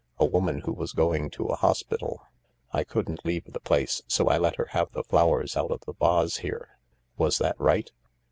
"A woman who was going to a hospital. I couldn't leave the place, so I let her have the flowers out of the vase here — was that right